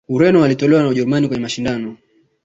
ureno walitolewa na ujerumani kwenye mashindano